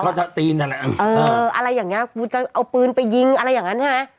ตีนอะไรเอออะไรอย่างเงี้กูจะเอาปืนไปยิงอะไรอย่างนั้นใช่ไหม